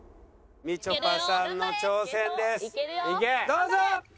どうぞ！